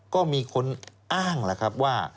ก็มีคนอ้างล่ะครับว่า